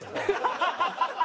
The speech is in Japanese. ハハハハ！